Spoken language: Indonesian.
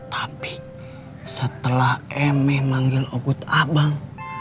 tapi setelah emme manggil agut abang